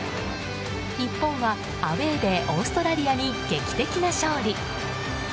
日本はアウェーでオーストラリアに劇的な勝利。